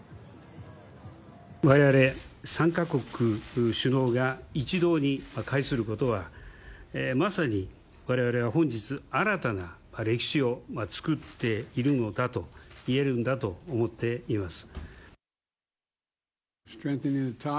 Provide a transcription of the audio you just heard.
われわれ３か国首脳が一堂に会することは、まさにわれわれは本日、新たな歴史を作っているのだと言えるんだと思っています。